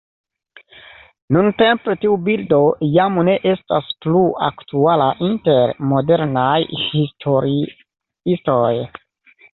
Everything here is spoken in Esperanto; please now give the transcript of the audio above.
Nuntempe tiu bildo jam ne estas plu aktuala inter modernaj historiistoj.